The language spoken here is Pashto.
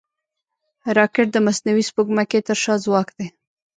راکټ د مصنوعي سپوږمکۍ تر شا ځواک دی